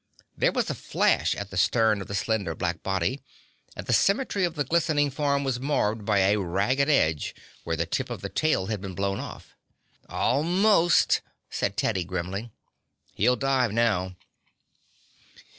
There was a flash at the stern of the slender black body, and the symmetry of the glistening form was marred by a ragged edge where the tip of the tail had been blown off. "Almost," said Teddy grimly. "He'll dive now."